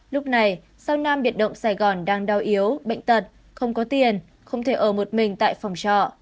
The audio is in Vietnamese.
lúc này sau nam biệt động sài gòn đang đau yếu bệnh tật không có tiền không thể ở một mình tại phòng trọ